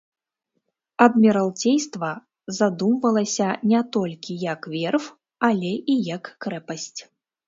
Адміралцейства задумвалася не толькі як верф, але і як крэпасць.